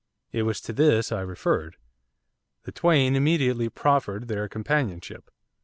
It was to this I referred. The twain immediately proffered their companionship.